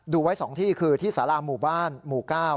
ดูไว้๒ที่คือที่สาราหมู่บ้านหมู่๙